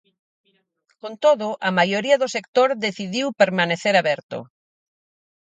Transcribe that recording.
Con todo, a maioría do sector decidiu permanecer aberto.